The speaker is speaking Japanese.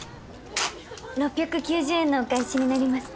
６９０円のお返しになります。